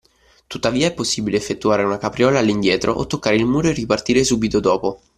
Tuttavia è possibile effettuare una capriola all’indietro o toccare il muro e ripartire subito dopo.